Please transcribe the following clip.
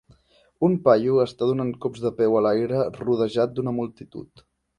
Un paio està donant cops de peu a l"aire rodejat d"una multitud.